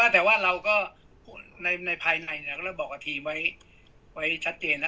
แต่ว่าเราก็ในภายในก็เลยบอกกับทีมไว้ชัดเจนนะ